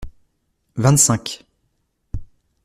Vingt-cinq.